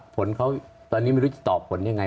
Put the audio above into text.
ผลเขาตอนนี้ไม่รู้จะตอบผลยังไง